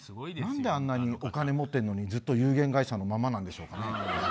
何であんなにお金持ってるのにずっと有限会社なんでしょうね。